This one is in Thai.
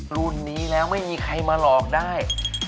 รุ่นนี้แล้วไม่มีใครมาหลอกได้